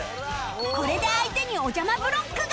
これで相手におじゃまブロックが！